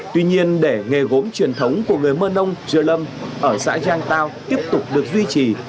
tuy nhiên để nghề gốm truyền thống của người mơ nông dừa lâm ở xã giang tào tiếp tục được duy trì